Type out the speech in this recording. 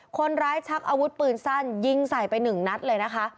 ชักอาวุธปืนสั้นยิงใส่ไปหนึ่งนัดเลยนะคะ